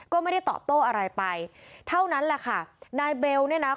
ก็ไม่ได้ตอบโต้อะไรไปเท่านั้นแหละค่ะนายเบลเนี่ยนะ